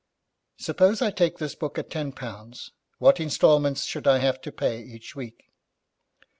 'Suppose I take this book at ten pounds, what instalment should I have to pay each week?'